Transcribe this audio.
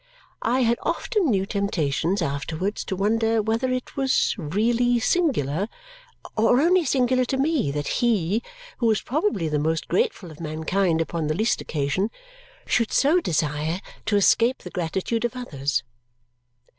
I had often new temptations, afterwards, to wonder whether it was really singular, or only singular to me, that he, who was probably the most grateful of mankind upon the least occasion, should so desire to escape the gratitude of others.